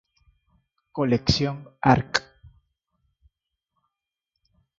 Colección Arq.